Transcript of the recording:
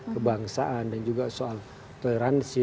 kebangsaan dan juga soal toleransi